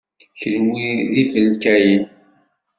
Kenwi d ifalkayen.